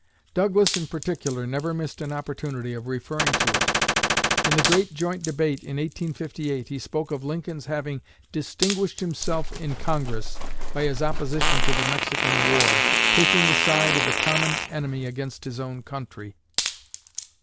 Douglas in particular never missed an opportunity of referring to it. In the great joint debate in 1858 he spoke of Lincoln's having "distinguished himself in Congress by his opposition to the Mexican War, taking the side of the common enemy against his own country."